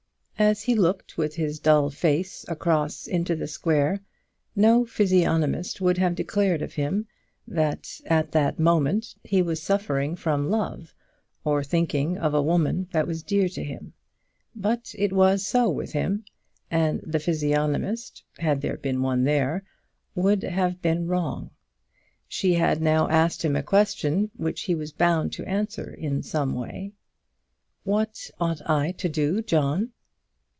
As he looked with his dull face across into the square, no physiognomist would have declared of him that at that moment he was suffering from love, or thinking of a woman that was dear to him. But it was so with him, and the physiognomist, had one been there, would have been wrong. She had now asked him a question, which he was bound to answer in some way: "What ought I to do, John?"